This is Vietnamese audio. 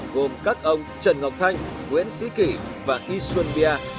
gồm các ông trần ngọc thanh nguyễn sĩ kỷ và y xuân bia